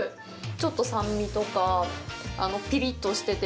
ちょっと酸味とか、ピリッとしてて。